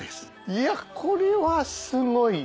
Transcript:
いやこれはすごい。